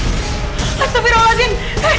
dasar gelom kontralayo bagian